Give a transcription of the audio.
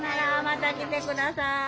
また来て下さい。